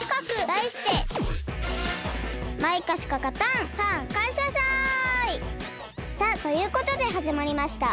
だいしてさあということではじまりました！